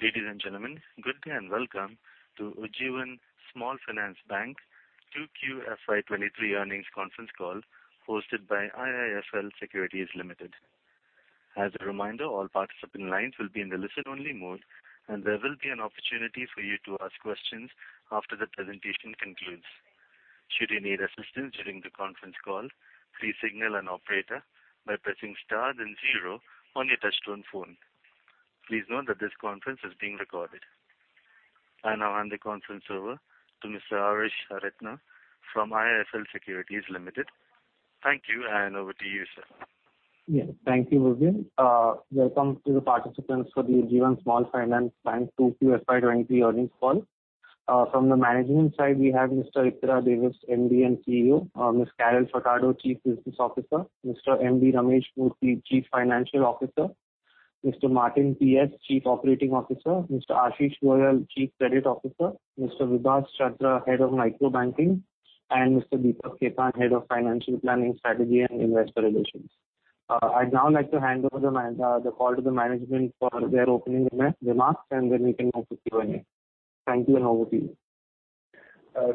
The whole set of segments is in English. Ladies and gentlemen, good day and welcome to Ujjivan Small Finance Bank 2QFY23 earnings conference call hosted by IIFL Securities Limited. As a reminder, all participants in lines will be in the listen-only mode, and there will be an opportunity for you to ask questions after the presentation concludes. Should you need assistance during the conference call, please signal an operator by pressing star then zero on your touchtone phone. Please note that this conference is being recorded. I now hand the conference over to Mr. Arash Arethna from IIFL Securities Limited. Thank you, and over to you, sir. Yes. Thank you. Welcome to the participants for the Ujjivan Small Finance Bank 2QFY23 earnings call. From the management side, we have Mr. Ittira Davis, MD and CEO, Ms. Carol Furtado, Chief Business Officer, Mr. M.D. Ramesh Murthy, Chief Financial Officer, Mr. Martin PS, Chief Operating Officer, Mr. Ashish Goel, Chief Credit Officer, Mr. Vibhas Chandra, Head of Micro Banking, and Mr. Deepak Khetan, Head of Financial Planning, Strategy and Investor Relations. I'd now like to hand over the call to the management for their opening remarks, and then we can move to Q&A. Thank you, and over to you.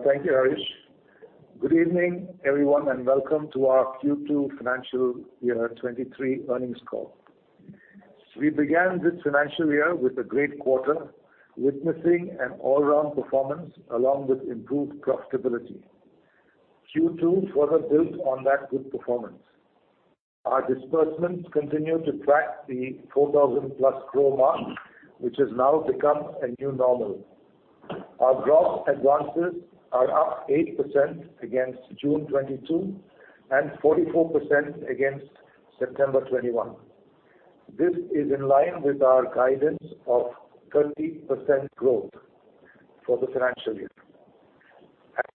Thank you, Arash. Good evening, everyone, and welcome to our Q2 financial year 2023 earnings call. We began this financial year with a great quarter, witnessing an all-around performance along with improved profitability. Q2 further built on that good performance. Our disbursements continue to track the 4,000+ crore mark, which has now become a new normal. Our gross advances are up 8% against June 2022 and 44% against September 2021. This is in line with our guidance of 30% growth for the financial year.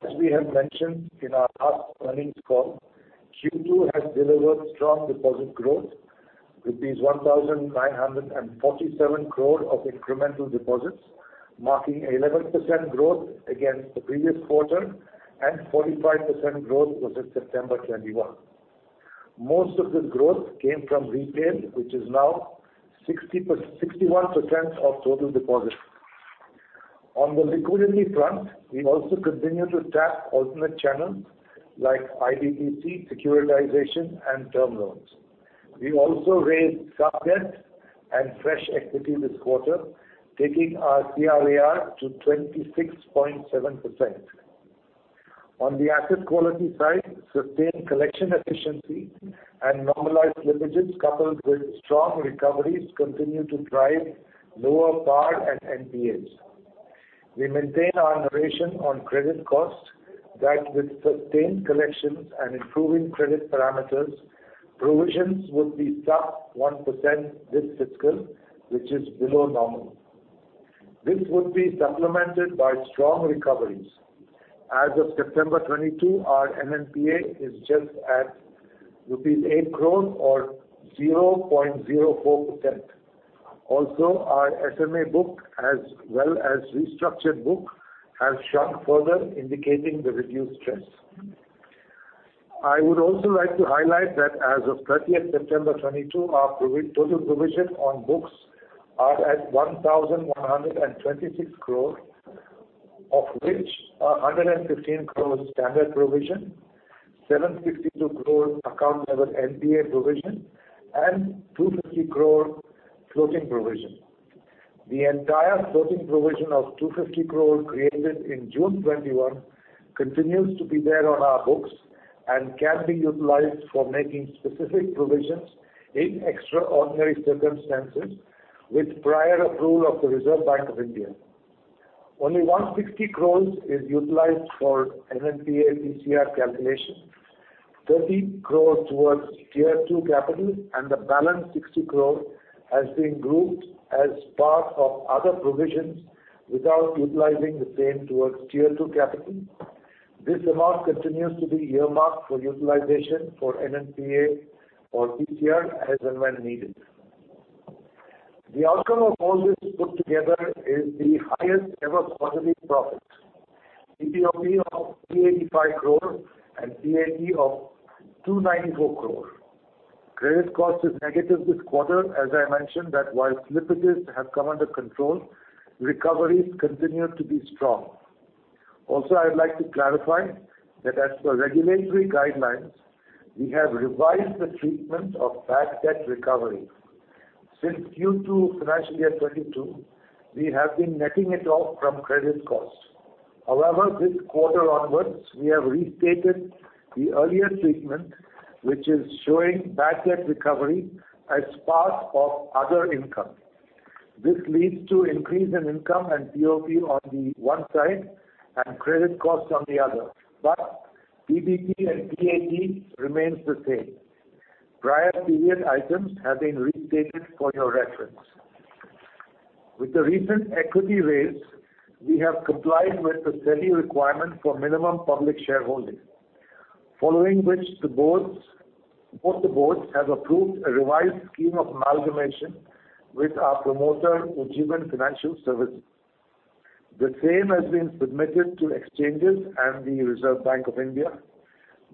As we have mentioned in our last earnings call, Q2 has delivered strong deposit growth, 1,947 crore of incremental deposits, marking 11% growth against the previous quarter and 45% growth versus September 2021. Most of this growth came from retail, which is now 61% of total deposits. On the liquidity front, we also continue to tap alternate channels like IBPC, securitization, and term loans. We also raised sub-debt and fresh equity this quarter, taking our CRAR to 26.7%. On the asset quality side, sustained collection efficiency and normalized slippages coupled with strong recoveries continue to drive lower PAR and NPAs. We maintain our narration on credit costs that with sustained collections and improving credit parameters, provisions would be sub 1% this fiscal, which is below normal. This would be supplemented by strong recoveries. As of September 2022, our NNPA is just at rupees 8 crore or 0.04%. Also, our SMA book, as well as restructured book, has shrunk further, indicating the reduced stress. I would also like to highlight that as of 30th September 2022, our Total provision on books are at 1,126 crore, of which 115 crore is standard provision, 762 crore account level NPA provision, and 250 crore floating provision. The entire floating provision of 250 crore created in June 2021 continues to be there on our books and can be utilized for making specific provisions in extraordinary circumstances with prior approval of the Reserve Bank of India. Only 160 crores is utilized for NNPA PCR calculation, 30 crores towards Tier 2 capital, and the balance 60 crore has been grouped as part of other provisions without utilizing the same towards Tier 2 capital. This amount continues to be earmarked for utilization for NNPA or PCR as and when needed. The outcome of all this put together is the highest ever quarterly profit. PPOP of 385 crore and PAT of 294 crore. Credit cost is negative this quarter. As I mentioned that while slippages have come under control, recoveries continue to be strong. Also, I would like to clarify that as per regulatory guidelines, we have revised the treatment of bad debt recovery. Since Q2 financial year 2022, we have been netting it off from credit costs. However, this quarter onwards, we have restated the earlier treatment, which is showing bad debt recovery as part of other income. This leads to increase in income and POP on the one side and credit costs on the other, but PBT and PAT remains the same. Prior period items have been restated for your reference. With the recent equity raise, we have complied with the SEBI requirement for minimum public shareholding. Following which the boards, both the boards have approved a revised scheme of amalgamation with our promoter, Ujjivan Financial Services. The same has been submitted to exchanges and the Reserve Bank of India.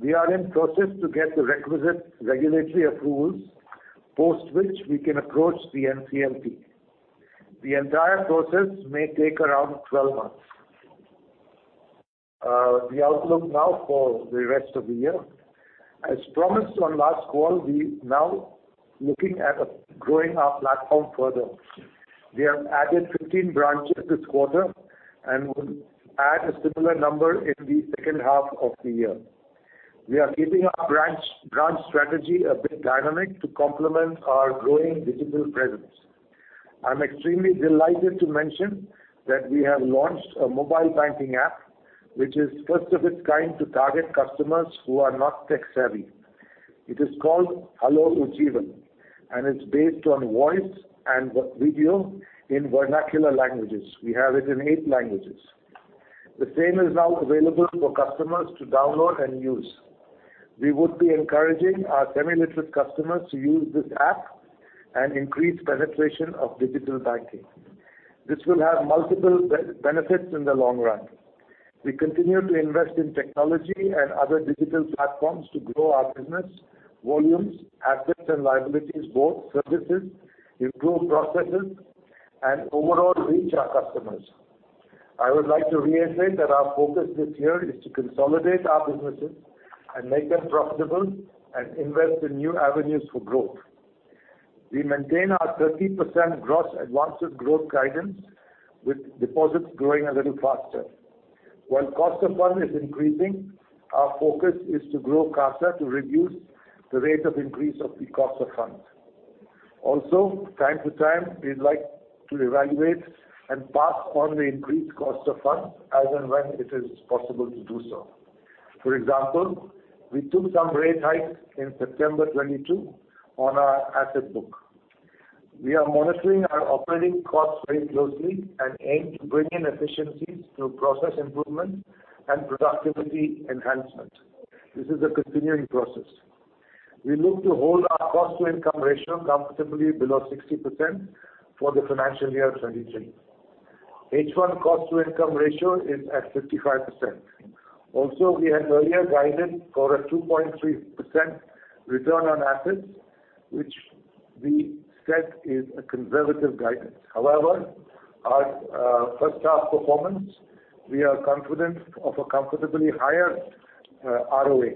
We are in process to get the requisite regulatory approvals, post which we can approach the NCLT. The entire process may take around 12 months. The outlook now for the rest of the year. As promised on last call, we now looking at growing our platform further. We have added 15 branches this quarter and will add a similar number in the second half of the year. We are keeping our branch strategy a bit dynamic to complement our growing digital presence. I'm extremely delighted to mention that we have launched a mobile banking app, which is first of its kind to target customers who are not tech-savvy. It is called Hello Ujjivan, and it's based on voice and video in vernacular languages. We have it in eight languages. The same is now available for customers to download and use. We would be encouraging our semi-literate customers to use this app and increase penetration of digital banking. This will have multiple benefits in the long run. We continue to invest in technology and other digital platforms to grow our business, volumes, assets, and liabilities, both services, improve processes, and overall reach our customers. I would like to reiterate that our focus this year is to consolidate our businesses and make them profitable and invest in new avenues for growth. We maintain our 30% gross advances growth guidance, with deposits growing a little faster. While cost of fund is increasing, our focus is to grow CASA to reduce the rate of increase of the cost of funds. Also, time to time, we'd like to evaluate and pass on the increased cost of funds as and when it is possible to do so. For example, we took some rate hikes in September 2022 on our asset book. We are monitoring our operating costs very closely and aim to bring in efficiencies through process improvement and productivity enhancement. This is a continuing process. We look to hold our cost-to-income ratio comfortably below 60% for the financial year 2023. H1 cost-to-income ratio is at 55%. Also, we had earlier guided for a 2.3% return on assets, which we said is a conservative guidance. However, our first half performance, we are confident of a comfortably higher ROA.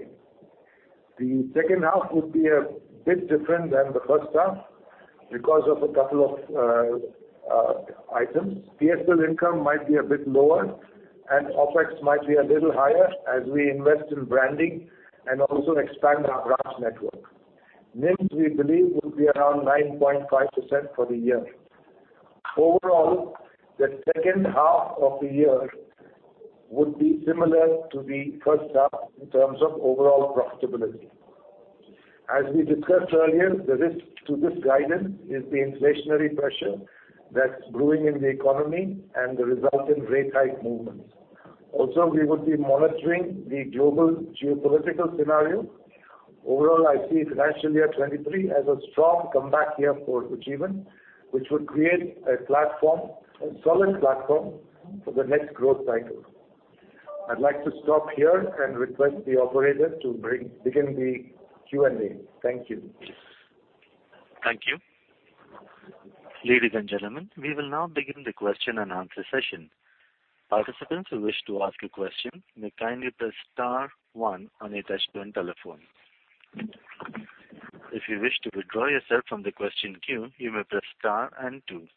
The second half would be a bit different than the first half because of a couple of items. PSL income might be a bit lower, and OpEx might be a little higher as we invest in branding and also expand our branch network. NIMs, we believe, will be around 9.5% for the year. Overall, the second half of the year would be similar to the first half in terms of overall profitability. As we discussed earlier, the risk to this guidance is the inflationary pressure that's brewing in the economy and the resultant rate hike movements. Also, we would be monitoring the global geopolitical scenario. Overall, I see financial year 2023 as a strong comeback year for Ujjivan, which would create a platform, a solid platform for the next growth cycle. I'd like to stop here and request the operator to begin the Q&A. Thank you. Thank you. Ladies and gentlemen, we will now begin the question-and-answer session. Participants who wish to ask a question may kindly press star one on your touchtone telephone. If you wish to withdraw yourself from the question queue, you may press star and two.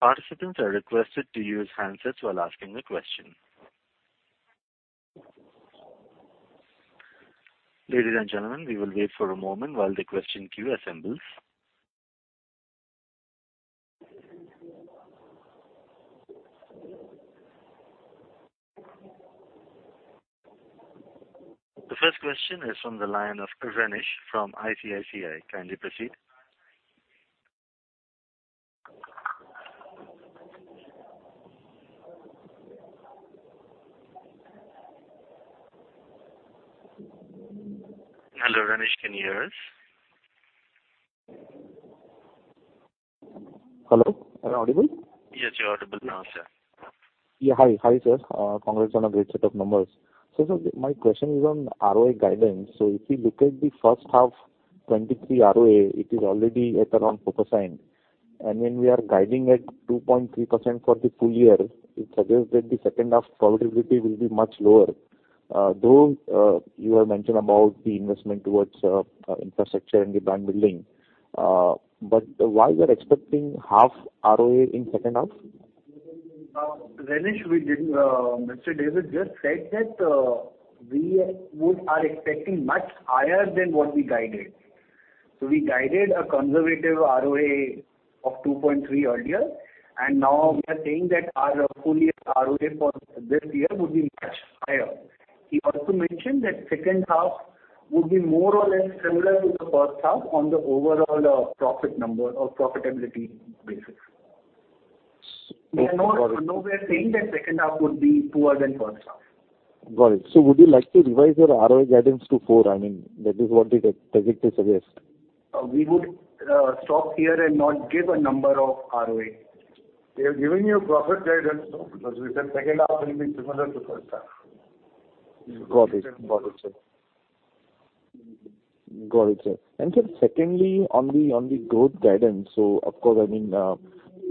Participants are requested to use handsets while asking the question. Ladies and gentlemen, we will wait for a moment while the question queue assembles. The first question is on the line of Renish Bhuva from ICICI. Kindly proceed. Hello, Renish Bhuva, can you hear us? Hello, am I audible? Yes, you're audible now, sir. Hi. Hi, sir. Congrats on a great set of numbers. Sir, my question is on ROA guidance. If you look at the first half 2023 ROA, it is already at around 4%, and then we are guiding at 2.3% for the full year. It suggests that the second half profitability will be much lower. Though you have mentioned about the investment towards infrastructure and the brand building, but why you are expecting half ROA in second half? Renish Bhuva, we didn't, Mr. Davis just said that we are expecting much higher than what we guided. We guided a conservative ROA of 2.3% earlier, and now we are saying that our full year ROA for this year would be much higher. He also mentioned that second half would be more or less similar to the first half on the overall, profit number or profitability basis. Okay, got it. We are not nowhere saying that second half would be poorer than first half. Got it. Would you like to revise your ROA guidance to 4%? I mean, that is what the data suggests. We would stop here and not give a number of ROA. We have given you a profit guidance though, because we said second half will be similar to first half. Got it. Got it, sir. Sir, secondly, on the growth guidance, so of course, I mean,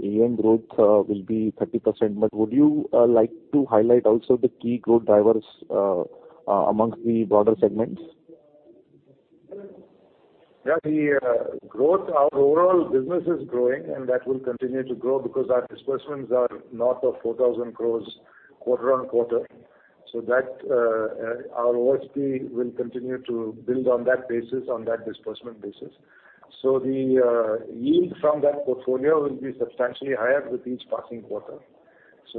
AUM growth will be 30%, but would you like to highlight also the key growth drivers among the broader segments? Yeah, the growth. Our overall business is growing, and that will continue to grow because our disbursements are north of 4,000 crore quarter-over-quarter. Our OSP will continue to build on that basis, on that disbursement basis. The yield from that portfolio will be substantially higher with each passing quarter.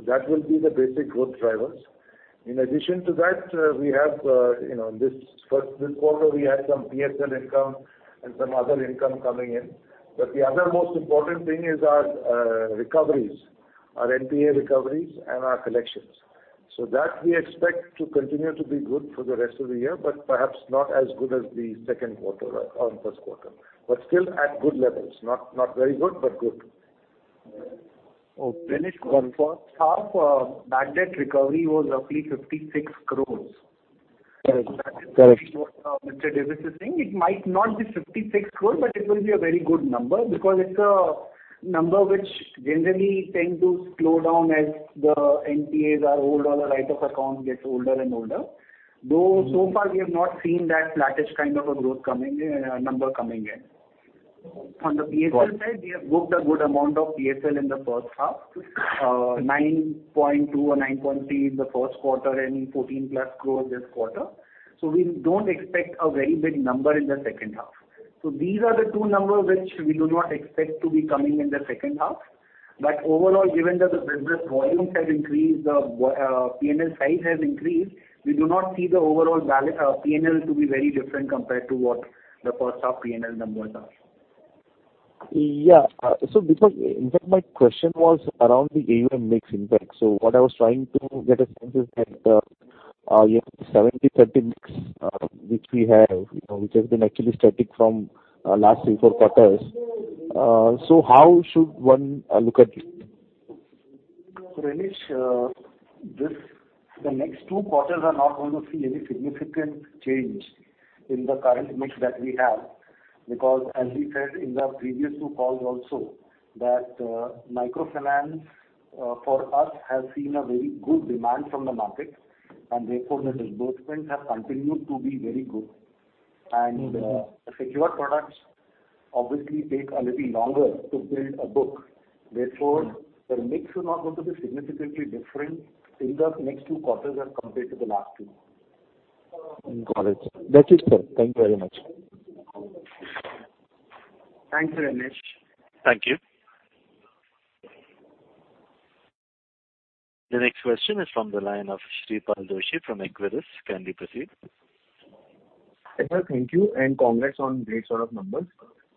That will be the basic growth drivers. In addition to that, we have, you know, in this quarter we had some PSL income and some other income coming in. The other most important thing is our recoveries, our NPA recoveries and our collections. That we expect to continue to be good for the rest of the year, but perhaps not as good as the second quarter or first quarter. Still at good levels. Not very good, but good. Okay. Renish Bhuva, for first half, bad debt recovery was roughly 56 crores. Correct. Correct. That is what Mr. Ittira Davis is saying. It might not be 56 crore, but it will be a very good number because it's a number which generally tend to slow down as the NPAs are older or the age of account gets older and older. Though so far we have not seen that flattish kind of a growth coming, number coming in. On the PSL side, we have booked a good amount of PSL in the first half, 9.2 or 9.3 in the first quarter and 14+ crore this quarter. We don't expect a very big number in the second half. These are the two numbers which we do not expect to be coming in the second half. Overall, given that the business volumes have increased, the P&L size has increased, we do not see the overall P&L to be very different compared to what the first half P&L numbers are. Yeah. Because in fact my question was around the AUM mix impact. What I was trying to get a sense is that you have the 70-30 mix, which we have, you know, which has been actually static from last three-four quarters. How should one look at this? Renish Bhuva, the next two quarters are not going to see any significant change in the current mix that we have because as we said in the previous two calls also that microfinance for us has seen a very good demand from the market and therefore the disbursements have continued to be very good. Secured products obviously take a little longer to build a book, therefore the mix is not going to be significantly different in the next two quarters as compared to the last two. Got it. That's it, sir. Thank you very much. Thanks, Renish. Thank you. The next question is from the line of Shripal Doshi from Equirus. Can we proceed? Sir, thank you, and congrats on great set of numbers.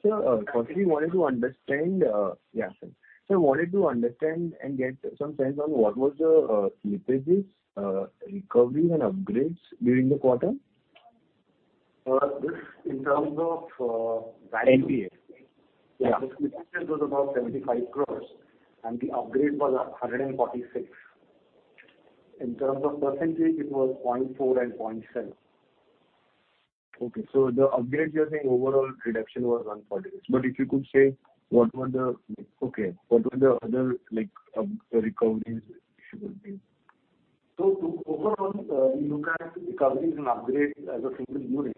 Sir, firstly, I wanted to understand and get some sense on what was the slippages, recovery and upgrades during the quarter. This in terms of. NPA. Yeah. The slippage was about 75 crore and the upgrade was 146 crore. In terms of percentage it was 0.4% and 0.7%. Okay. The upgrade you're saying overall reduction was 146. If you could say what were the other like up-recoveries if you would be? Overall, look at recoveries and upgrades as a single unit,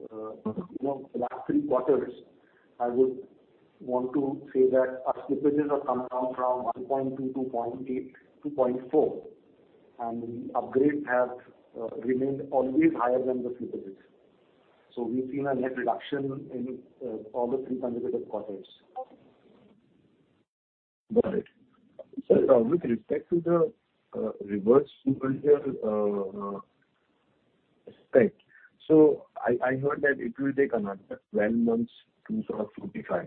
you know, last three quarters, I would want to say that our slippages have come down from 1.2% to 0.8% to 0.4%, and the upgrades have remained always higher than the slippages. We've seen a net reduction in all the three consecutive quarters. Got it. With respect to the reverse split here, I heard that it will take another 12 months to sort of fortify.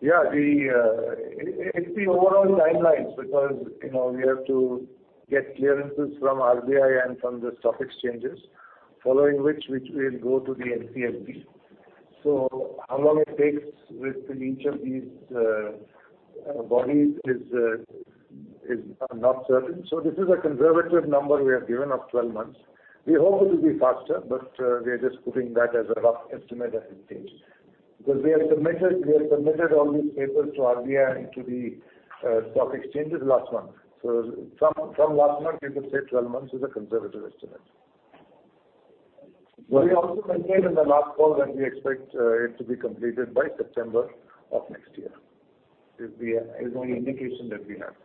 It's the overall timelines because, you know, we have to get clearances from RBI and from the stock exchanges, following which it will go to the NCLT. How long it takes with each of these bodies is not certain. This is a conservative number we have given of 12 months. We hope it will be faster, but we are just putting that as a rough estimate as it is. Because we have submitted all these papers to RBI and to the stock exchanges last month. From last month we could say 12 months is a conservative estimate. We also mentioned in the last call that we expect it to be completed by September of next year, is the indication that we have.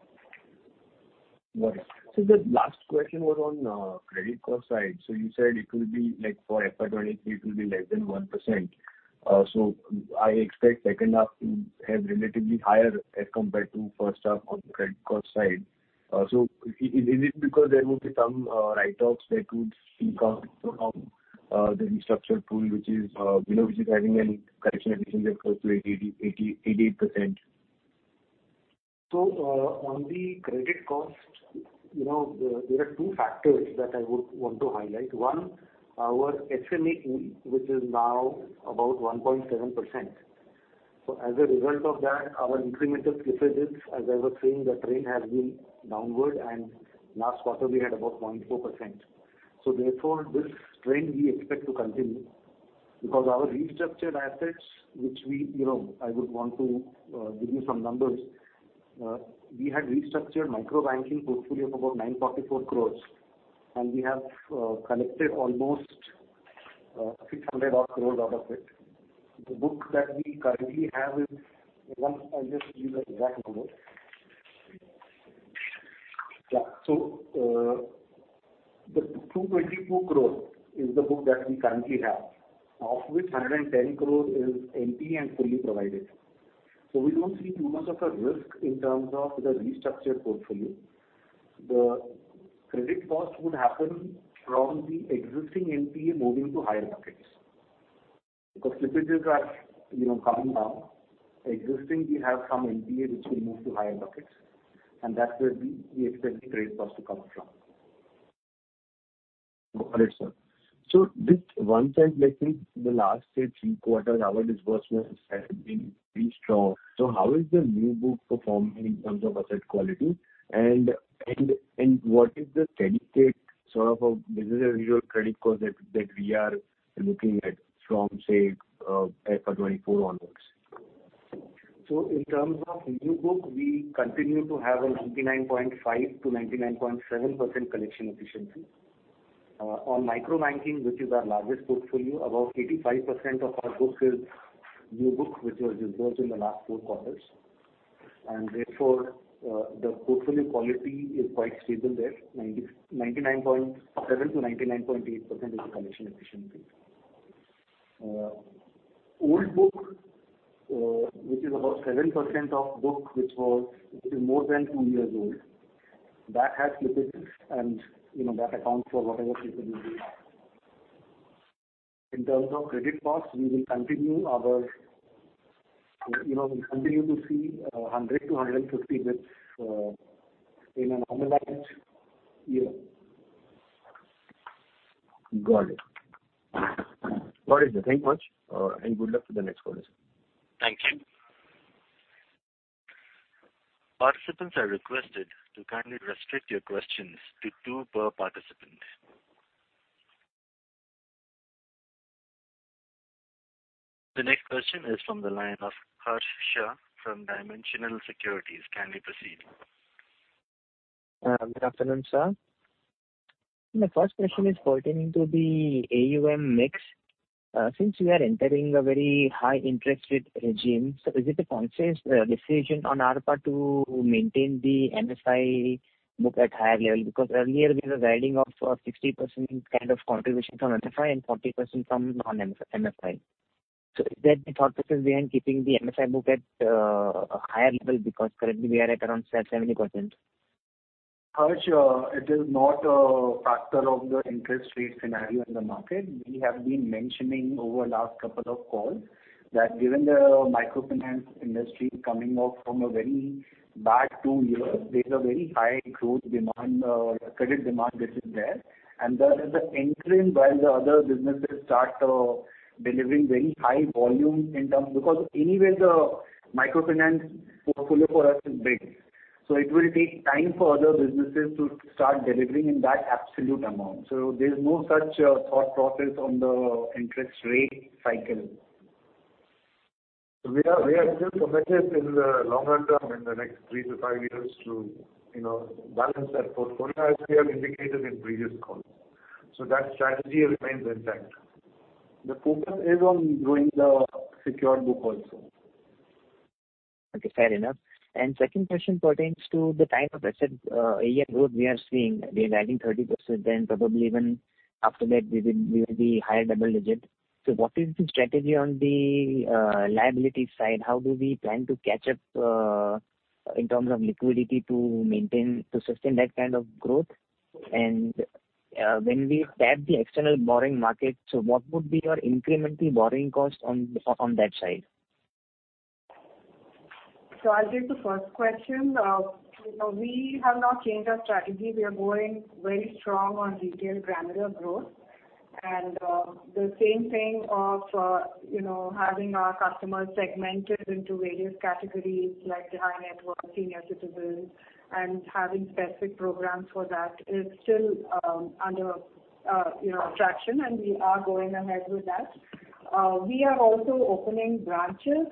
Got it. The last question was on credit cost side. You said it will be like for FY 2023 it will be less than 1%. I expect second half to have relatively higher as compared to first half on credit cost side. Is it because there will be some write-offs that would come from the restructure pool which is, you know, which is having a collection efficiency of close to 88%? On the credit cost, you know, there are two factors that I would want to highlight. One, our SMA pool, which is now about 1.7%. As a result of that, our incremental slippages, as I was saying, the trend has been downward, and last quarter we had about 0.4%. Therefore, this trend we expect to continue because our restructured assets, which we, you know, I would want to give you some numbers. We had restructured micro banking portfolio of about 944 crore, and we have collected almost 600 odd crore out of it. The book that we currently have is 222 crore, of which 110 crore is NPA and fully provided. We don't see too much of a risk in terms of the restructured portfolio. The credit cost would happen from the existing NPA moving to higher buckets because slippages are, you know, coming down. Existing, we have some NPA which will move to higher buckets, and that's where we expect the credit cost to come from. Got it, sir. This one side, like in the last say three quarters our disbursements have been pretty strong. How is the new book performing in terms of asset quality? What is the steady state sort of a business, as usual credit cost that we are looking at from say April 2024 onwards? In terms of new book, we continue to have a 99.5%-99.7% collection efficiency. On micro banking, which is our largest portfolio, about 85% of our book is new book, which was dispersed in the last four quarters. Therefore, the portfolio quality is quite stable there. 99.7%-99.8% is the collection efficiency. Old book, which is about 7% of book, which is more than two years old, that has slippages and, you know, that accounts for whatever slippage we have. In terms of credit costs, you know, we'll continue to see 100-150 basis points in a normalized year. Got it. Thank you very much, and good luck for the next quarter. Thank you. Participants are requested to kindly restrict your questions to two per participant. The next question is from the line of Harsh Shah from Dimensional Securities. Kindly proceed. Good afternoon, sir. My first question is pertaining to the AUM mix. Since we are entering a very high interest rate regime, is it a conscious decision on our part to maintain the MFI book at higher level? Because earlier we were guiding of 60% kind of contribution from MFI and 40% from non-MFI. Is that the thought process behind keeping the MFI book at a higher level? Because currently we are at around 70%. Harsh Shah, it is not a factor of the interest rate scenario in the market. We have been mentioning over last couple of calls that given the microfinance industry coming off from a very bad two years, there is a very high growth demand, credit demand which is there. That is the interim while the other businesses start delivering very high volume in turn because anyway the microfinance portfolio for us is big, so it will take time for other businesses to start delivering in that absolute amount. There's no such thought process on the interest rate cycle. We are still committed in the longer term in the next three to five years to, you know, balance that portfolio as we have indicated in previous calls. That strategy remains intact. The focus is on growing the secured book also. Okay, fair enough. Second question pertains to the type of asset, AUM growth we are seeing. We are adding 30% then probably even after that we will be higher double-digit. What is the strategy on the liability side? How do we plan to catch up in terms of liquidity to maintain to sustain that kind of growth? When we tap the external borrowing market, what would be your incremental borrowing cost on that side? I'll take the first question. You know, we have not changed our strategy. We are going very strong on retail granular growth. The same thing of, you know, having our customers segmented into various categories like the high net worth, senior citizens, and having specific programs for that is still under traction and we are going ahead with that. We are also opening branches.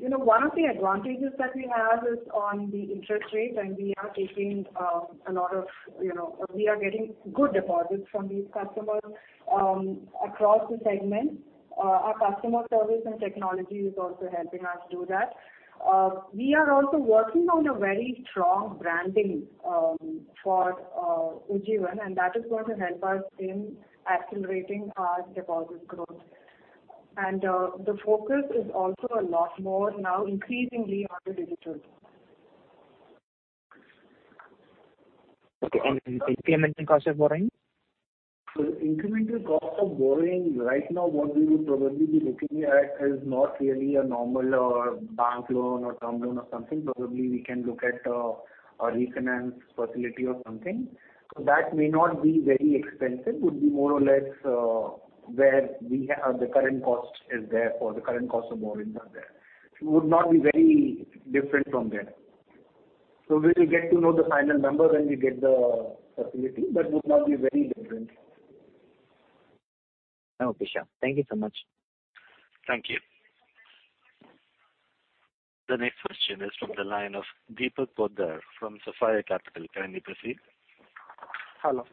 You know, one of the advantages that we have is on the interest rates, and we are taking a lot of, you know, we are getting good deposits from these customers across the segments. Our customer service and technology is also helping us do that. We are also working on a very strong branding for Ujjivan, and that is going to help us in accelerating our deposit growth. The focus is also a lot more now increasingly on the digital. Okay. The incremental cost of borrowing? Incremental cost of borrowing right now what we would probably be looking at is not really a normal bank loan or term loan or something. Probably we can look at a refinance facility or something. That may not be very expensive. It would be more or less where we have the current cost is there, for the current cost of borrowings are there. It would not be very different from there. We will get to know the final number when we get the facility, but it would not be very different. Okay, sure. Thank you so much. Thank you. The next question is from the line of Deepak Poddar from Sapphire Capital. Kindly proceed. Hello.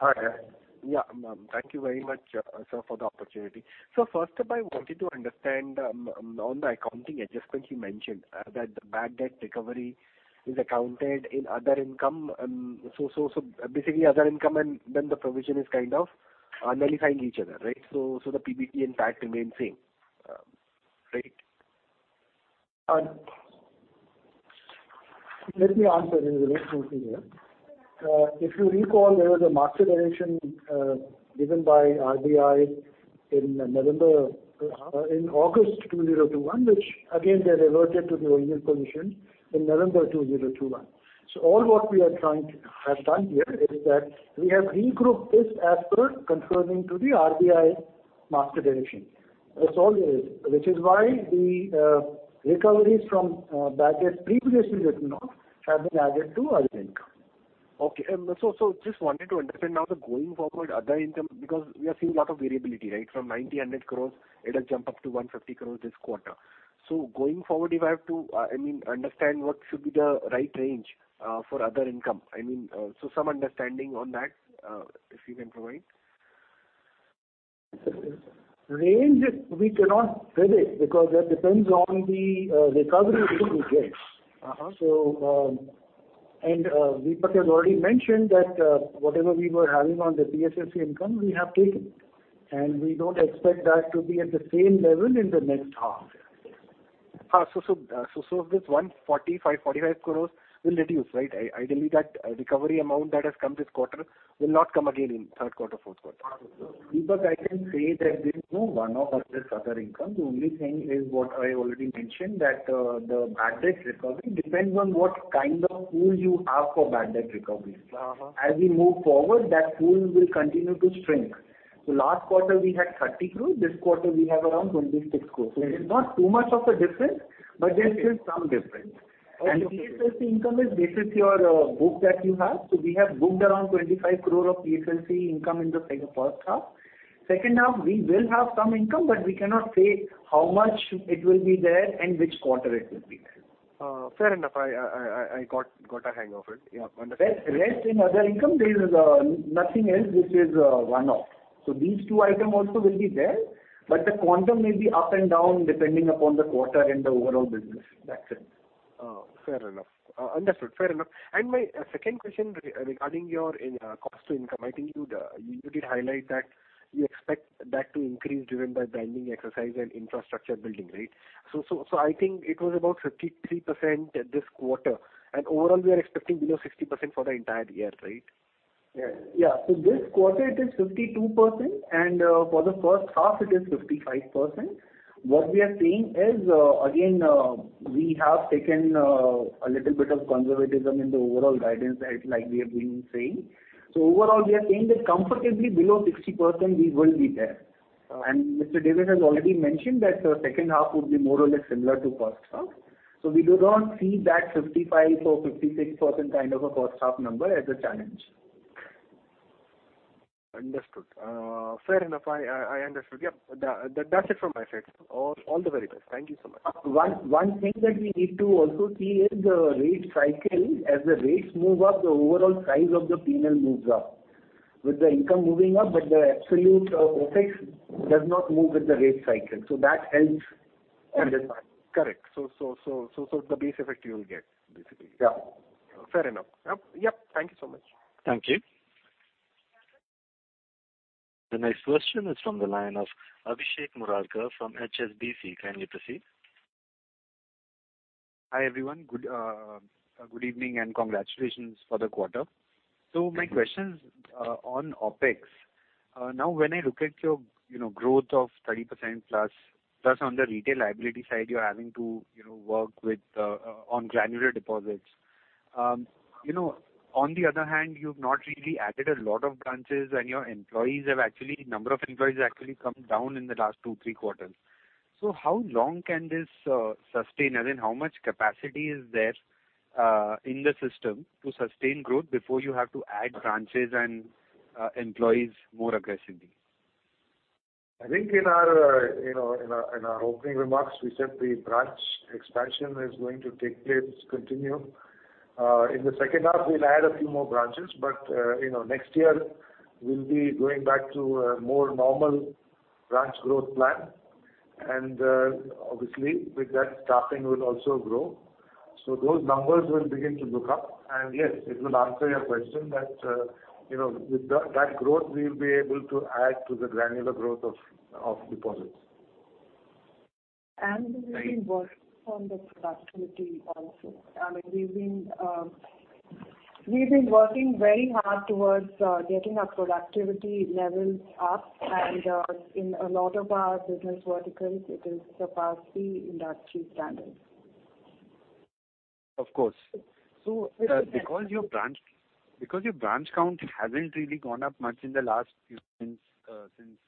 Hi. Yeah. Thank you very much, sir, for the opportunity. First of all, I wanted to understand on the accounting adjustment you mentioned that the bad debt recovery is accounted in other income. Basically other income and then the provision is kind of nullifying each other, right? The PBT in fact remains same, right? Let me answer. This is Ramesh Murthy here. If you recall, there was a Master Direction given by RBI in August 2021, which again they reverted to the original position in November 2021. All what we are trying to have done here is that we have regrouped this as per conforming to the RBI Master Direction. That's all there is. Which is why the recoveries from bad debt previously written off have been added to other income. Okay, just wanted to understand now the going forward other income, because we are seeing lot of variability, right? From 90-100 crore it has jumped up to 150 crore this quarter. Going forward, if I have to, I mean, understand what should be the right range for other income. I mean, some understanding on that, if you can provide. Range we cannot predict because that depends on the recovery which we get. Uh-huh. Deepak has already mentioned that whatever we were having on the PSLC income we have taken, and we don't expect that to be at the same level in the next half. This 145.45 crores will reduce, right? Ideally that recovery amount that has come this quarter will not come again in third quarter, fourth quarter. Deepak, I can say that there's no one-off as this other income. The only thing is what I already mentioned, that the bad debts recovery depends on what kind of pool you have for bad debt recovery. Uh-huh. As we move forward, that pool will continue to shrink. Last quarter we had 30 crores. This quarter we have around 26 crores. Okay. It is not too much of a difference, but there is still some difference. Okay. PSLC income is basically your book that you have. We have booked around 25 crore of PSLC income in the first half. Second half we will have some income, but we cannot say how much it will be there and which quarter it will be there. Fair enough. I got a hang of it. Yeah. Understood. Rest in other income there is nothing else. This is one-off. These two item also will be there, but the quantum may be up and down depending upon the quarter and the overall business. That's it. Oh, fair enough. Understood. Fair enough. My second question regarding your cost to income. I think you did highlight that you expect that to increase driven by branding exercise and infrastructure building, right? So I think it was about 53% this quarter. Overall we are expecting below 60% for the entire year, right? Yes. Yeah. This quarter it is 52%, and for the first half it is 55%. What we are saying is, again, we have taken a little bit of conservatism in the overall guidance as like we have been saying. Overall we are saying that comfortably below 60% we will be there. Mr. Davis has already mentioned that second half would be more or less similar to first half. We do not see that 55% or 56% kind of a first half number as a challenge. Understood. Fair enough. I understood. Yep. That's it from my side. All the very best. Thank you so much. One thing that we need to also see is the rate cycle. As the rates move up, the overall size of the P&L moves up. With the income moving up, but the absolute OpEx does not move with the rate cycle, so that helps understand. Correct. The base effect you will get basically. Yeah. Fair enough. Yep. Thank you so much. Thank you. The next question is from the line of Abhishek Murarka from HSBC. Kindly proceed. Hi, everyone. Good evening and congratulations for the quarter. Thank you. My question's on OpEx. Now when I look at your, you know, growth of 30% plus on the retail liability side, you're having to, you know, work with on granular deposits. You know, on the other hand, you've not really added a lot of branches and your employees have actually, number of employees have actually come down in the last two-three quarters. How long can this sustain? As in how much capacity is there in the system to sustain growth before you have to add branches and employees more aggressively? I think, you know, in our opening remarks, we said the branch expansion is going to take place, continue. In the second half we'll add a few more branches, but you know, next year we'll be going back to a more normal branch growth plan and obviously with that staffing will also grow. So those numbers will begin to look up. Yes, it will answer your question that you know, with that growth we'll be able to add to the granular growth of deposits. We've been working on the productivity also. I mean, we've been working very hard towards getting our productivity levels up and in a lot of our business verticals it is surpassing industry standards. Of course. So Because your branch count hasn't really gone up much in the last few years, since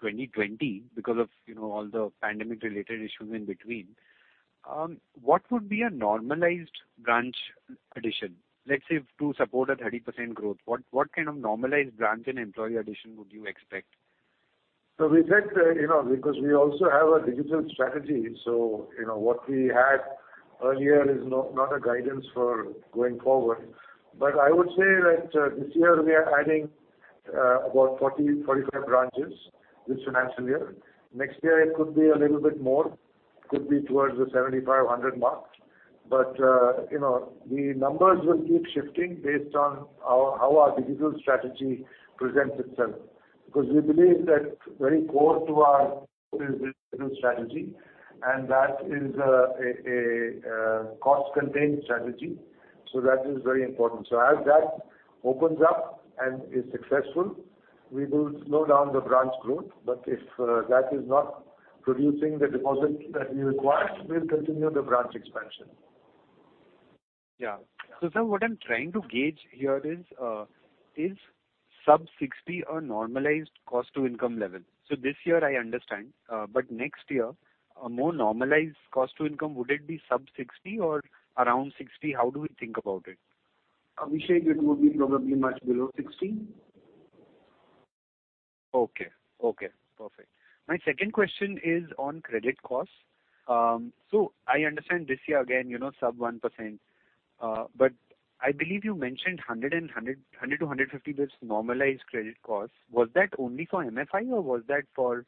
2020 because of, you know, all the pandemic related issues in between, what would be a normalized branch addition, let's say to support a 30% growth? What kind of normalized branch and employee addition would you expect? We said, you know, because we also have a digital strategy, so, you know, what we had earlier is not a guidance for going forward. But I would say that this year we are adding about 40-45 branches this financial year. Next year, it could be a little bit more, could be towards the 75-100 mark. You know, the numbers will keep shifting based on our, how our digital strategy presents itself. Because we believe that very core to our is digital strategy and that is a cost contained strategy, so that is very important. As that opens up and is successful, we will slow down the branch growth. But if that is not producing the deposit that we require, we'll continue the branch expansion. Yeah. Sir, what I'm trying to gauge here is sub-60% a normalized cost to income level? This year I understand, but next year a more normalized cost to income, would it be sub-60% or around 60%? How do we think about it? Abhishek, it would be probably much below 60. Okay, perfect. My second question is on credit costs. I understand this year again, you know, sub 1%, but I believe you mentioned 100-150 basis points normalized credit costs. Was that only for MFI or was that for,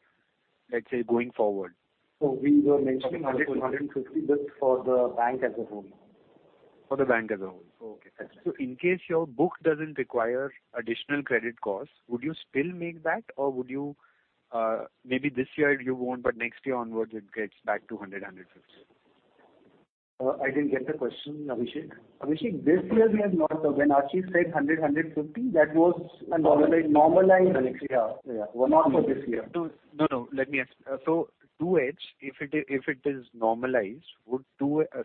let's say, going forward? We were mentioning 100-150 basis points for the bank as a whole. For the bank as a whole. Okay. In case your book doesn't require additional credit costs, would you still make that or would you, maybe this year you won't, but next year onwards it gets back to 100, 150? I didn't get the question, Abhishek. Abhishek, this year we have not. When Ashish said 100, 150, that was a normalized. Normalized. Yeah. Not for this year. No. Let me ask. To gauge if it is normalized, would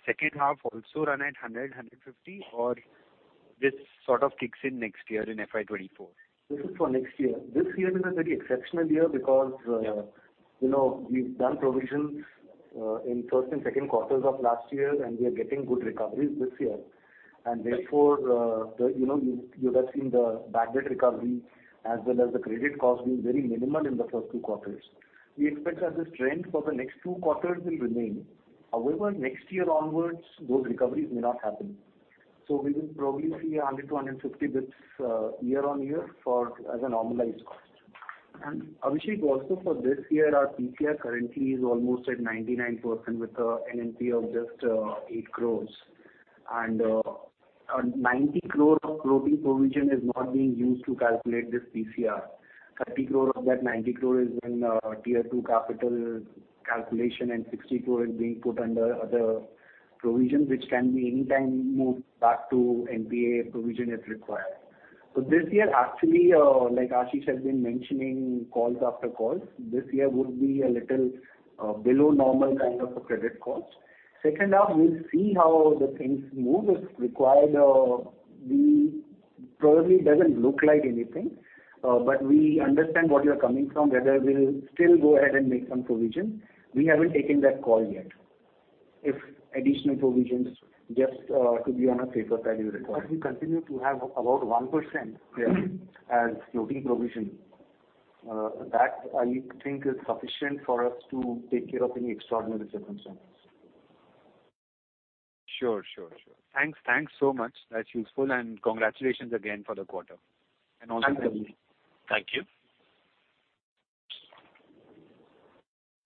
second half also run at 100-150 or this sort of kicks in next year in FY 2024? This is for next year. This year is a very exceptional year because, you know, we've done provisions in first and second quarters of last year and we are getting good recoveries this year. Therefore, you know, you would have seen the bad debt recovery as well as the credit cost being very minimal in the first two quarters. We expect that this trend for the next two quarters will remain. However, next year onwards those recoveries may not happen. We will probably see 100 to 150 basis points year-over-year as a normalized cost. Abhishek, also for this year our PCR currently is almost at 99% with NNPA of just 8 crores. An 90 crore of floating provision is not being used to calculate this PCR. 30 crore of that 90 crore is in tier two capital calculation and 60 crore is being put under other provisions which can be anytime moved back to NPA provision if required. This year actually, like Ashish has been mentioning calls after calls, this year would be a little below normal kind of a credit cost. Second half we'll see how the things move. If required, we probably doesn't look like anything, but we understand what you're coming from, whether we'll still go ahead and make some provision. We haven't taken that call yet. If additional provisions just to be on a safer side we require. But we continue to have about 1% as floating provision. That I think is sufficient for us to take care of any extraordinary circumstances. Sure. Sure. Thanks. Thanks so much. That's useful, and congratulations again for the quarter and all the best. Thanks, Abhishek. Thank you.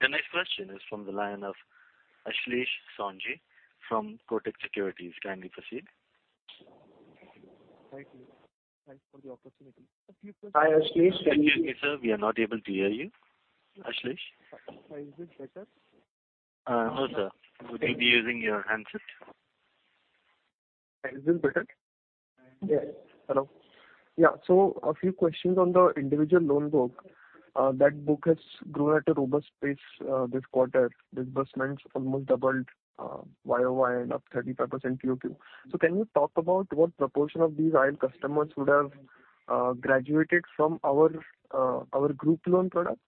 The next question is from the line of Ashlesh Sonje from Kotak Securities. Kindly proceed. Thank you. Thanks for the opportunity. A few questions. Hi, Ashlesh. Excuse me sir, we are not able to hear you. Ashlesh? Hi. Is it better? No, sir. Would you be using your handset? Is this better? Yes. Hello? Yeah. A few questions on the individual loan book. That book has grown at a robust pace, this quarter. Disbursement almost doubled, YoY and up 35% QoQ. Can you talk about what proportion of these IL customers would have graduated from our group loan product?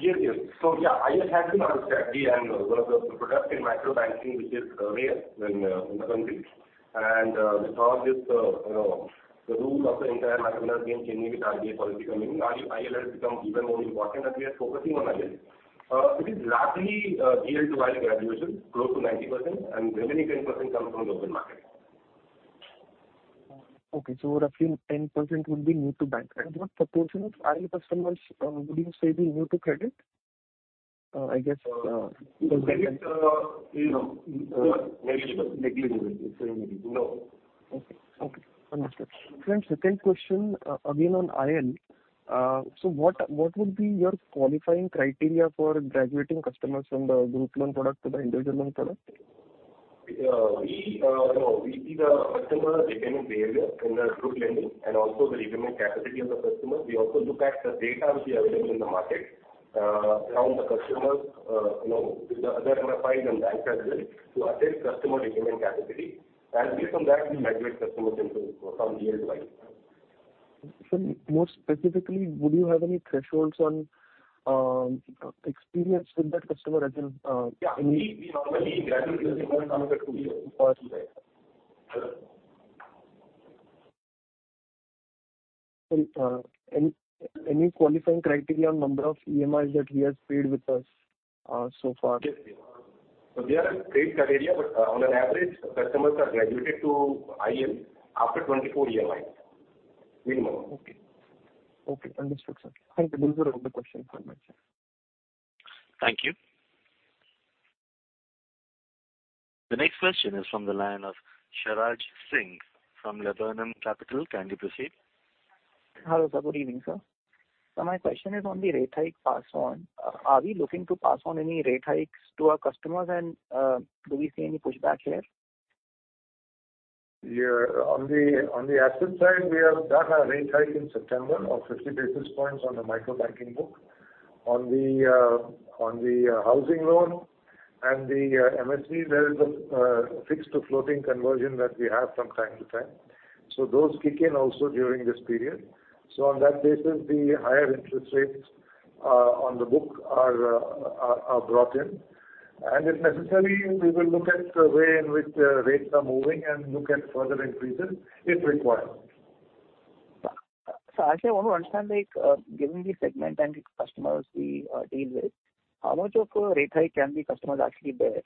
Yes, yes. Yeah, IL has been our strategy and one of the product in micro banking which is rare in the country. Because this, you know, the role of the entire micro banking changing with RBI policy coming in, IL has become even more important and we are focusing on IL. It is largely GL to IL graduation, close to 90% and remaining 10% comes from the open market. Okay. Roughly 10% would be new to bank. What proportion of IL customers would you say be new to credit? I guess It's you know, negligible. It's very little. No. Okay. Understood. Second question, again on IL. So what would be your qualifying criteria for graduating customers from the group loan product to the individual loan product? We, you know, we see the customer repayment behavior in the group lending and also the repayment capacity of the customer. We also look at the data which is available in the market, around the customers, you know, with the other MFIs and banks as well, to assess customer repayment capacity. Based on that, we graduate customers into from GL to IL Sir, more specifically, would you have any thresholds on experience with that customer as in any? Yeah. We normally graduate customers after two years. Any qualifying criteria on number of EMIs that he has paid with us so far? Yes, we have. We have a grade criteria, but on average customers are graduated to IL after 24 EMIs minimum. Okay. Okay, understood, sir. Thank you. Those were all the questions on my side. Thank you. The next question is from the line of Sharaj Singh from Laburnum Capital. Kindly proceed. Hello, sir. Good evening, sir. My question is on the rate hike pass on. Are we looking to pass on any rate hikes to our customers and, do we see any pushback here? Yeah. On the asset side, we have done our rate hike in September of 50 basis points on the micro banking book. On the housing loan and the MFIs, there is a fixed to floating conversion that we have from time to time. So those kick in also during this period. So on that basis, the higher interest rates on the book are brought in. If necessary, we will look at the way in which rates are moving and look at further increases if required. Sir, actually I want to understand, like, given the segment and the customers we deal with, how much of a rate hike can the customers actually bear?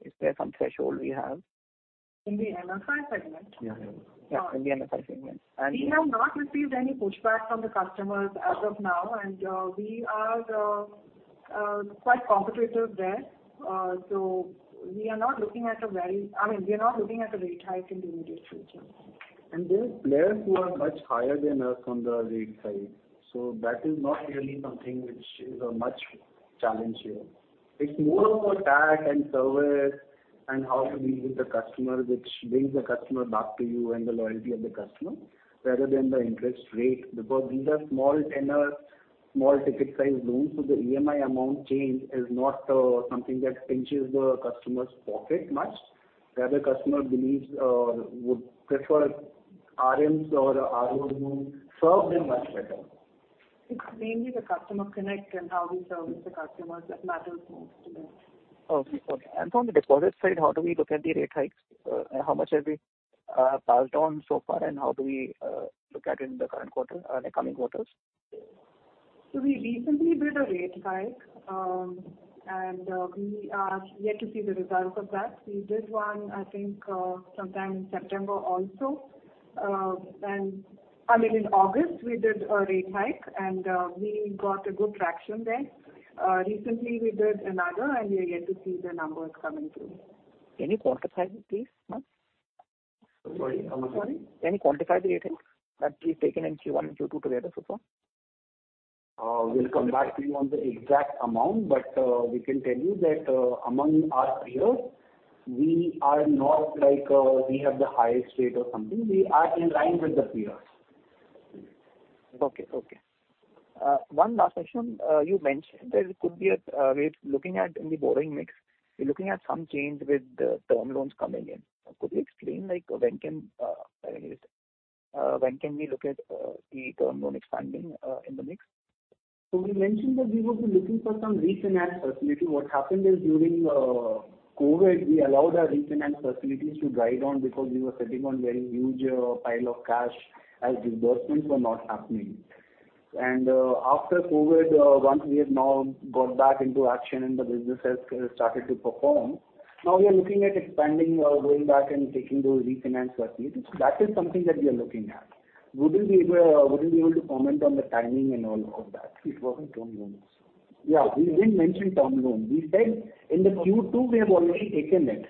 Is there some threshold we have? In the MFI segment? Yeah, in the MFI segment. We have not received any pushback from the customers as of now, and we are quite competitive there. I mean, we are looking at a rate hike in the immediate future. There are players who are much higher than us on the rate side. That is not really something which is a much challenge here. It's more of a tack and service and how to deal with the customer, which brings the customer back to you and the loyalty of the customer rather than the interest rate. Because these are small tenors, small ticket size loans, so the EMI amount change is not something that pinches the customer's pocket much. Rather customer believes or would prefer RMs or RO who serve them much better. It's mainly the customer connect and how we service the customers that matters most to them. Okay. From the deposit side, how do we look at the rate hikes? How much have we passed on so far, and how do we look at it in the current quarter or the coming quarters? We recently did a rate hike, and we are yet to see the results of that. We did one, I think, sometime in September also. I mean, in August we did a rate hike and we got a good traction there. Recently, we did another and we are yet to see the numbers coming through. Can you quantify it please, ma'am? Sorry. Sorry? Can you quantify the rate hike that we've taken in Q1 and Q2 together so far? We'll come back to you on the exact amount, but we can tell you that, among our peers, we are not like, we have the highest rate or something. We are in line with the peers. Okay. One last question. You mentioned that it could be a rate. Looking at the borrowing mix, you're looking at some change with the term loans coming in. Could you explain like when can we look at the term loan expanding in the mix? We mentioned that we would be looking for some refinance facility. What happened is during COVID, we allowed our refinance facilities to dry down because we were sitting on very huge pile of cash as disbursements were not happening. After COVID, once we have now got back into action and the business has started to perform, now we are looking at expanding or going back and taking those refinance facilities. That is something that we are looking at. We wouldn't be able to comment on the timing and all of that. It was't in term loans. Yeah. We didn't mention term loan. We said in the Q2 we have already taken it.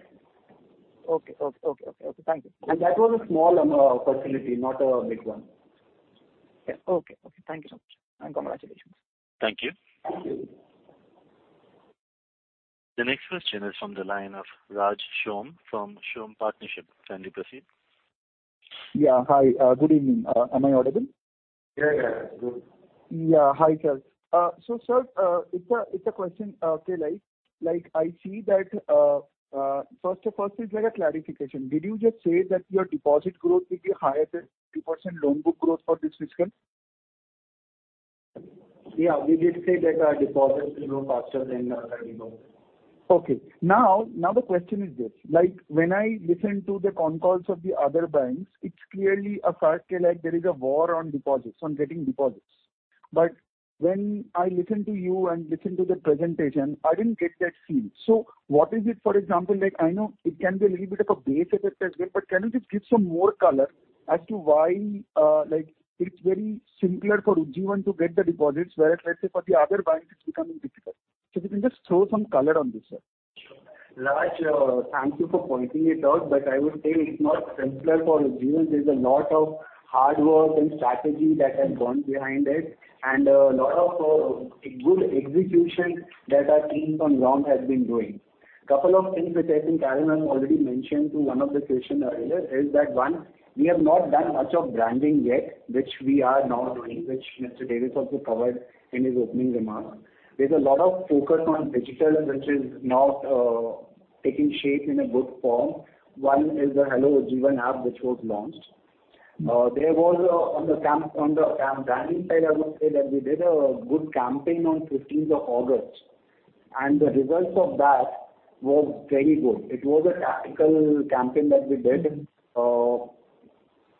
Okay. Thank you. That was a small facility, not a big one. Yeah. Okay. Okay. Thank you so much and congratulations. Thank you. The next question is from the line of Raj Shome from Shome Partnership. Kindly proceed. Yeah. Hi. Good evening. Am I audible? Yeah, yeah. Good. Yeah. Hi, sir. So sir, it's a question. Okay. Like, I see that first, first is like a clarification. Did you just say that your deposit growth will be higher than 2% loan book growth for this fiscal? Yeah, we did say that our deposits will grow faster than our loan. Okay. Now the question is this. Like when I listen to the con calls of the other banks, it's clearly a fact that like there is a war on deposits, on getting deposits, but when I listen to you and listen to the presentation, I didn't get that feel. What is it, for example, like I know it can be a little bit of a base effect as well, but can you just give some more color as to why, like it's very simpler for Ujjivan to get the deposits, whereas let's say for the other banks it's becoming difficult. If you can just throw some color on this, sir. Raj, thank you for pointing it out, but I would say it's not simpler for Ujjivan. There's a lot of hard work and strategy that has gone behind it and a lot of good execution that our teams on ground have been doing. Couple of things which I think Carol Furtado has already mentioned to one of the question earlier is that, one, we have not done much of branding yet, which we are now doing, which Ittira Davis also covered in his opening remarks. There's a lot of focus on digital, which is now taking shape in a good form. One is the Hello Ujjivan app which was launched. There was on the branding side, I would say that we did a good campaign on fifteenth of August, and the results of that was very good. It was a tactical campaign that we did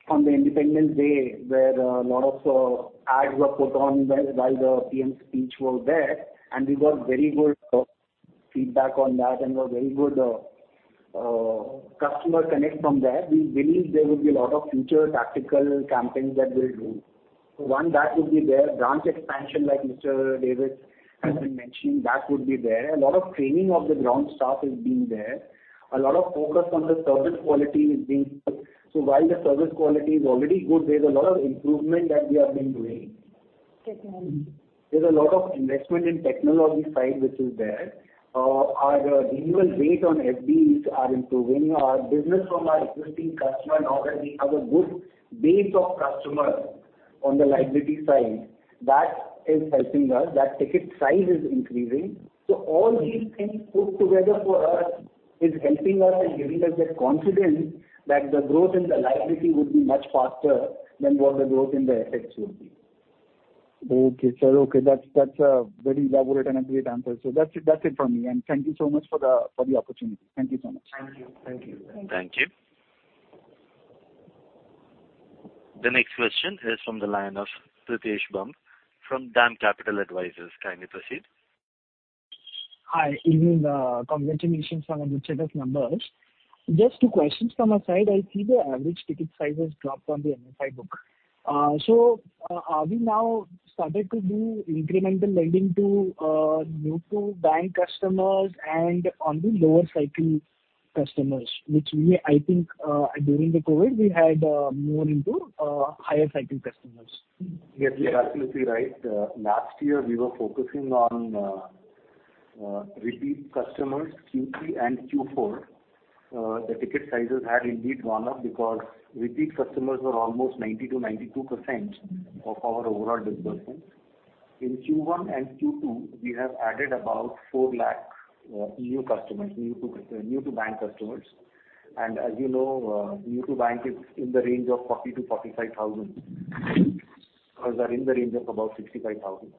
on the Independence Day, where a lot of ads were put on while the PM's speech was there, and we got very good feedback on that and a very good customer connect from there. We believe there will be a lot of future tactical campaigns that we'll do. One, that would be there. Branch expansion like Mr. Davis has been mentioning, that would be there. A lot of training of the ground staff is being there. A lot of focus on the service quality is being there. While the service quality is already good, there's a lot of improvement that we have been doing. Technology. There's a lot of investment in technology side which is there. Our renewal rate on FDs are improving. Our business from our existing customer and already have a good base of customers on the liability side. That is helping us. That ticket size is increasing. All these things put together for us is helping us and giving us that confidence that the growth in the liability would be much faster than what the growth in the assets would be. Okay, sir. Okay, that's a very elaborate and a great answer. That's it for me, and thank you so much for the opportunity. Thank you so much. Thank you. Thank you. Thank you. Thank you. The next question is from the line of Pritesh Bumb from DAM Capital Advisors. Kindly proceed. Hi. Evening. Congratulations on the set of numbers. Just two questions from my side. I see the average ticket size has dropped on the MFI book. So, have you now started to do incremental lending to new-to-bank customers and on the lower cycle customers, which we, I think, during the COVID, we had more into higher cycle customers. Yes, you're absolutely right. Last year we were focusing on repeat customers, Q3 and Q4. The ticket sizes had indeed gone up because repeat customers were almost 90%-92% of our overall disbursements. In Q1 and Q2, we have added about 400,000 new customers, new-to-bank customers. As you know, new-to-bank is in the range of 40,000-45,000, ours are in the range of about 65,000.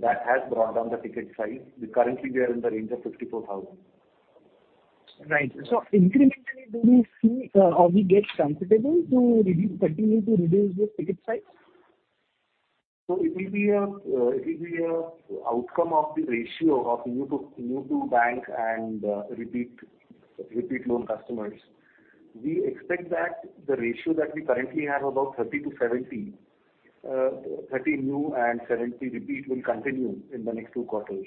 That has brought down the ticket size. Currently we are in the range of 54,000. Right. Incrementally, do we see or we get comfortable to reduce, continue to reduce this ticket size? It will be an outcome of the ratio of new-to-bank and repeat loan customers. We expect that the ratio that we currently have about 30/70, 30 new and 70 repeat will continue in the next two quarters.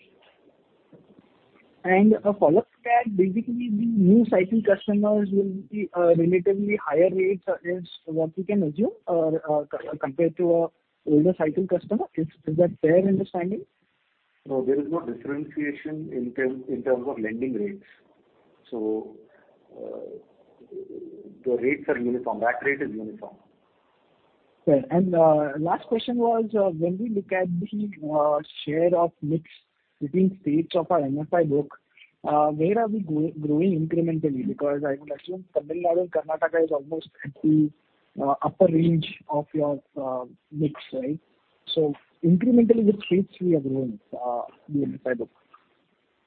A follow-up to that. Basically the new cycle customers will be relatively higher rates against what we can assume or compared to a older cycle customer. Is that fair understanding? No, there is no differentiation in terms of lending rates. The rates are uniform. That rate is uniform. Okay. Last question was, when we look at the share of mix between states of our MFI book, where are we growing incrementally? Because I would assume Tamil Nadu and Karnataka is almost at the upper range of your mix, right? Incrementally which states we have grown the MFI book?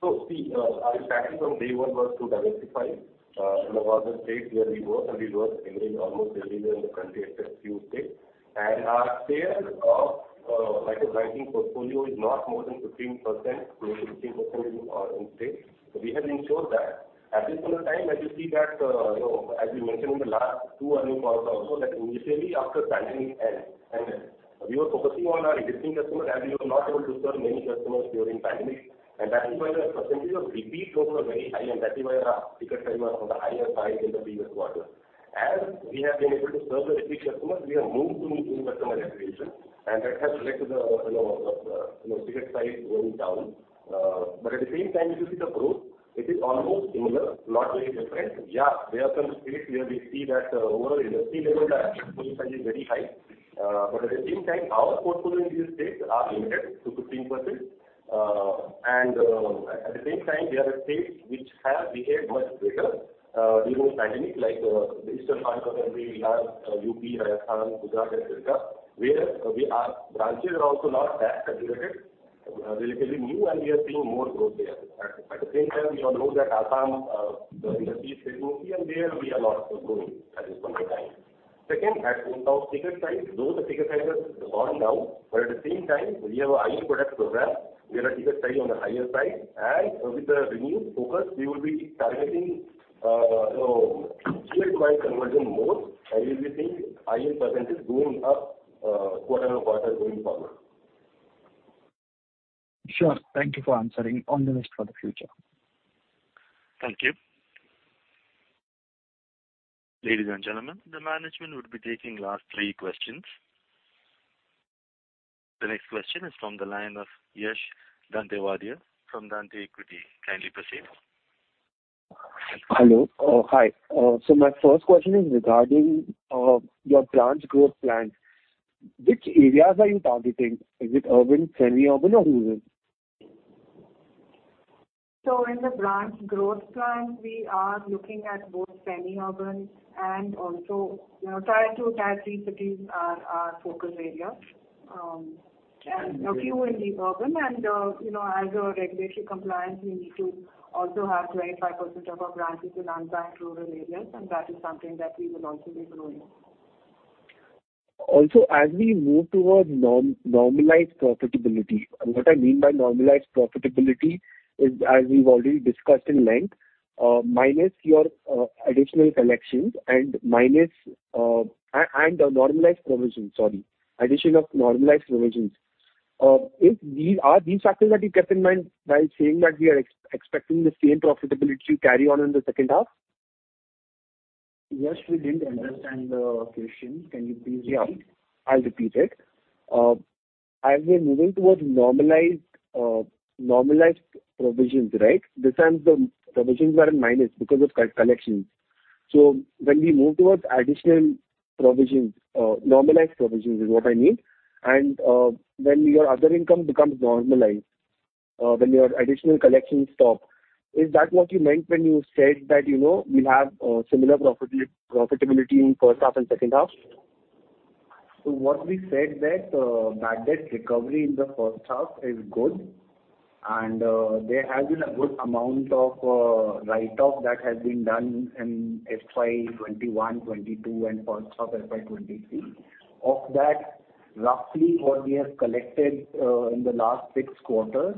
So see, our strategy from day one was to diversify in the larger states where we work and we work in almost everywhere in the country except few states. Our share of micro-lending portfolio is not more than 15% [inaudible] in states. We have ensured that. At this point of time as you see that you know as we mentioned in the last two earnings calls also that initially after pandemic end and we were focusing on our existing customers and we were not able to serve many customers during pandemic. That is why the percentage of repeat loans were very high and that is why our ticket size was on the higher side in the previous quarter. As we have been able to serve the repeat customers, we have moved to new customer acquisition and that has led to the ticket size going down. At the same time, you see the growth, it is almost similar, not very different. There are some states where we see that overall industry level the average portfolio size is very high. At the same time, our portfolio in these states are limited to 15%. At the same time, there are states which have behaved much better during pandemic like the eastern part of the country we have UP, Rajasthan, Gujarat and Odisha where branches are also not that saturated, relatively new and we are seeing more growth there. At the same time we all know that Assam, the industry is still new and therefore we are not growing at this point of time. Second, in terms of ticket size, though the ticket size has gone down, but at the same time we have a IL product program where our ticket size on the higher side and with the renewed focus we will be targeting GL to IL conversion more and we will be seeing higher percentages going up quarter-on-quarter going forward. Sure. Thank you for answering. On the list for the future. Thank you. Ladies and gentlemen, the management would be taking last three questions. The next question is from the line of Yash Dantewadia from Dante Equity. Kindly proceed. Hello. Oh, hi. My first question is regarding your branch growth plan. Which areas are you targeting? Is it urban, semi-urban or rural? In the branch growth plan, we are looking at both semi-urban and also, you know, Tier 2, Tier 3 cities are our focus area. A few in the urban and, you know, as a regulatory compliance, we need to also have 25% of our branches in unbanked rural areas, and that is something that we will also be growing. As we move towards normalized profitability. What I mean by normalized profitability is, as we've already discussed at length, minus your additional collections and minus, and addition of normalized provisions. If these are the factors that you kept in mind while saying that we are expecting the same profitability carry on in the second half? Yash, we didn't understand the question. Can you please repeat? Yeah. I'll repeat it. As we're moving towards normalized provisions, right? This time the provisions were in minus because of collections. When we move towards additional provisions, normalized provisions is what I mean, and when your other income becomes normalized, when your additional collections stop, is that what you meant when you said that, you know, we'll have similar profitability in first half and second half? What we said that bad debt recovery in the first half is good and there has been a good amount of write-off that has been done in FY 2021, 2022 and first half FY 2023. Of that, roughly what we have collected in the last six quarters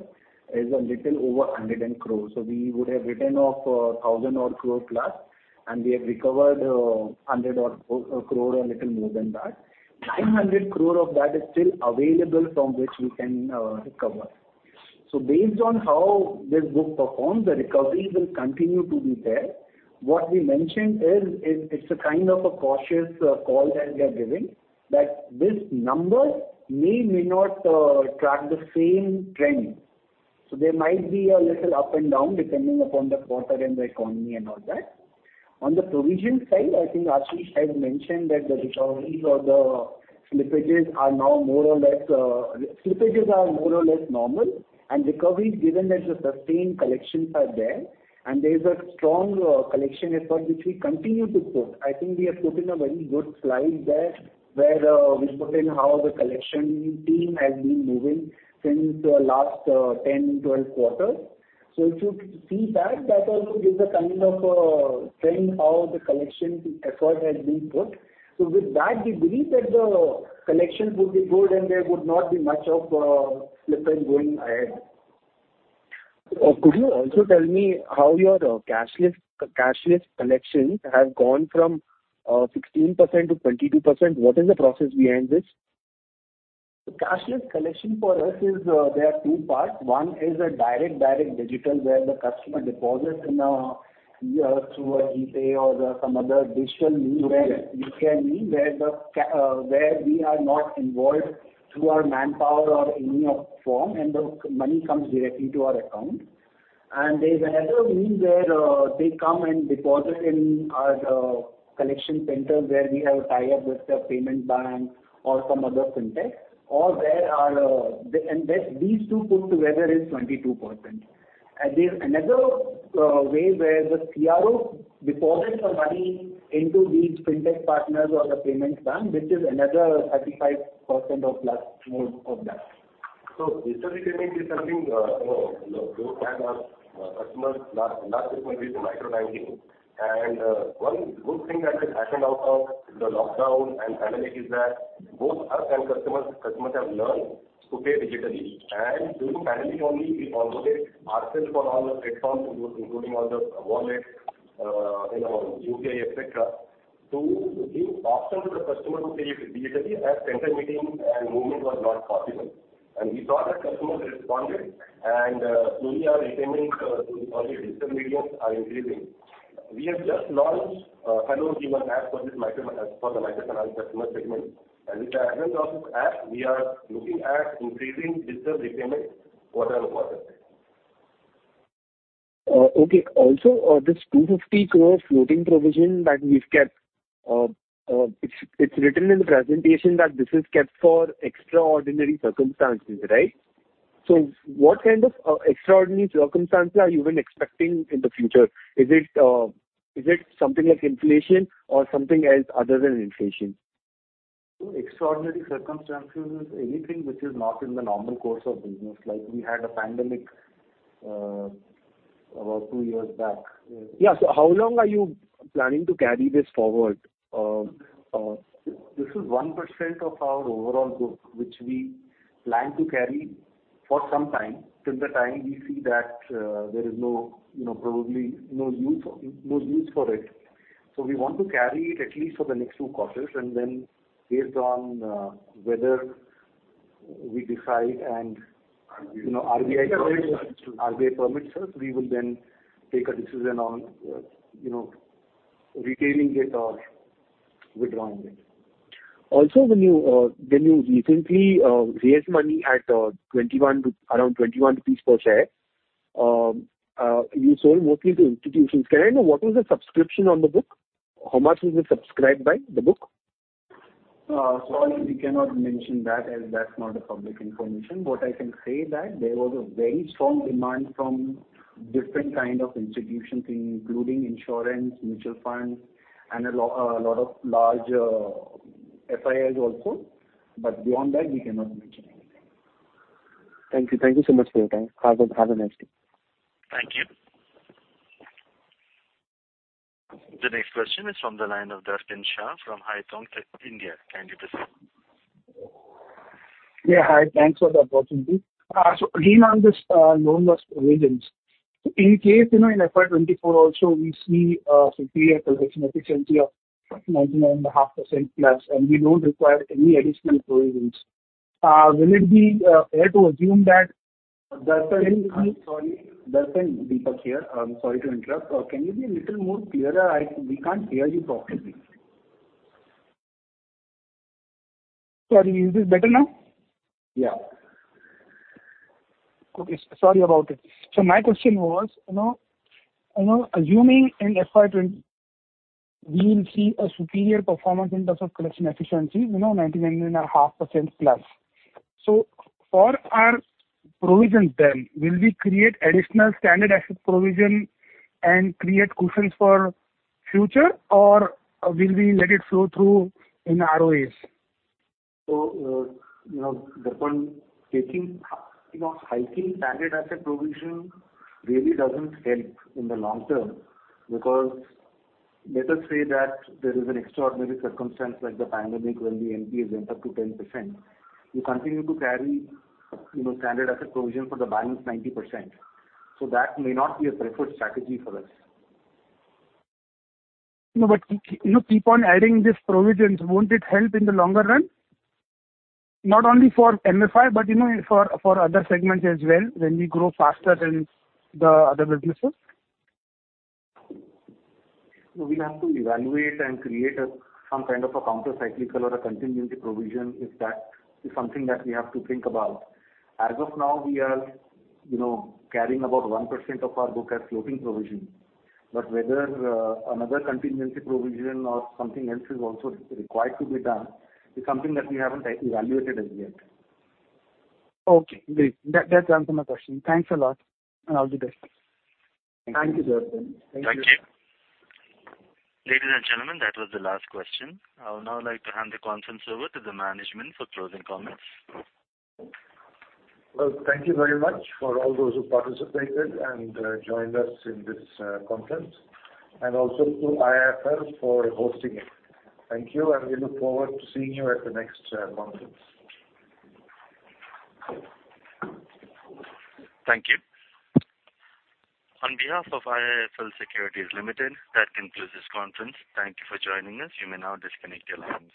is a little over 100 crore. We would have written off 1,000-odd crore plus, and we have recovered 100-odd crore or little more than that. 900 crore of that is still available from which we can recover. Based on how this book performs, the recovery will continue to be there. What we mentioned is it's a kind of a cautious call that we are giving, that this number may not track the same trend. There might be a little up and down depending upon the quarter and the economy and all that. On the provision side, I think Ashish has mentioned that the recoveries or the slippages are now more or less normal and recoveries given as the sustained collections are there and there is a strong collection effort which we continue to put. I think we have put in a very good slide there where we've put in how the collection team has been moving since the last 10, 12 quarters. If you see that also gives a kind of a trend how the collection effort has been put. With that, we believe that the collections would be good and there would not be much of slippage going ahead. Could you also tell me how your cashless collections have gone from 16% to 22%? What is the process behind this? The cashless collection for us is. There are two parts. One is a direct digital where the customer deposits through a GPay or some other digital means. Okay. Where we are not involved through our manpower or any other form and the money comes directly to our account. There is another means where they come and deposit in our collection centers where we have tie-up with the payment bank or some other fintech, and these two put together is 22%. There's another way where the CRO deposits the money into these fintech partners or the payments bank, which is another 35% or plus more of that. Digital repayment is something to add up customers not used only to microbanking. One good thing that has happened out of the lockdown and pandemic is that both us and customers have learned to pay digitally. During pandemic only we activated ourselves for all the platforms, including all the wallets, UPI, et cetera, to give option to the customer to pay digitally as center meeting and movement was not possible. We saw that customers responded and slowly our repayments through all these digital mediums are increasing. We have just launched Hello Ujjivan app for this microfinance customer segment. With the advent of this app, we are looking at increasing digital repayments quarter on quarter. Okay. Also, this 250 crore floating provision that we've kept, it's written in the presentation that this is kept for extraordinary circumstances, right? So what kind of extraordinary circumstances are you even expecting in the future? Is it something like inflation or something else other than inflation? Extraordinary circumstances is anything which is not in the normal course of business. Like we had a pandemic, about two years back. Yeah. How long are you planning to carry this forward? This is 1% of our overall book, which we plan to carry for some time, till the time we see that there is no, you know, probably no use for it. We want to carry it at least for the next two quarters and then based on whether we decide and, you know, RBI permits us, we will then take a decision on, you know, retaining it or withdrawing it. Also, when you recently raised money at around 21 rupees per share, you sold mostly to institutions. Can I know what was the subscription on the book? How much was it subscribed by the book? Sorry, we cannot mention that as that's not public information. What I can say that there was a very strong demand from different kind of institutions, including insurance, mutual funds and a lot of large FIIs also. Beyond that, we cannot mention anything. Thank you. Thank you so much for your time. Have a nice day. Thank you. The next question is from the line of Darpin Shah from Haitong India. Can you proceed? Yeah, hi. Thanks for the opportunity. Again, on this, loan loss provisions. In case, you know, in FY 2024 also we see superior collection efficiency of 99.5%+, and we don't require any additional provisions. Will it be fair to assume that.. Darpin, I'm sorry. Darpin, Deepak here. I'm sorry to interrupt. Can you be a little more clearer? We can't hear you properly. Sorry. Is this better now? Yeah. Okay. Sorry about it. My question was, you know, you know, assuming in FY24, we will see a superior performance in terms of collection efficiency, you know, 99.5%+. For our provisions then, will we create additional standard asset provision and create cushions for future or will we let it flow through in ROAs? Darpin, you know, hiking standard asset provision really doesn't help in the long term because let us say that there is an extraordinary circumstance like the pandemic when the NPAs went up to 10%. We continue to carry, you know, standard asset provision for the balance 90%. That may not be a preferred strategy for us. No, you know, keep on adding these provisions, won't it help in the longer run? Not only for MFI, but you know, for other segments as well, when we grow faster than the other businesses. We will have to evaluate and create some kind of a counter cyclical or a contingency provision if that is something that we have to think about. As of now, we are, you know, carrying about 1% of our book as floating provision, but whether another contingency provision or something else is also required to be done is something that we haven't evaluated as yet. Okay, great. That answered my question. Thanks a lot, and all the best. Thank you, Darpin Shah. Thank you. Ladies and gentlemen, that was the last question. I would now like to hand the conference over to the management for closing comments. Well, thank you very much for all those who participated and joined us in this conference, and also to IIFL for hosting it. Thank you, and we look forward to seeing you at the next conference. Thank you. On behalf of IIFL Securities Limited, that concludes this conference. Thank you for joining us. You may now disconnect your lines.